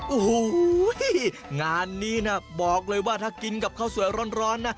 โอ้โหงานนี้นะบอกเลยว่าถ้ากินกับข้าวสวยร้อนนะ